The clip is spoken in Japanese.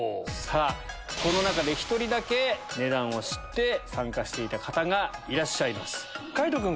この中で１人だけ値段を知って参加していた方がいらっしゃいます。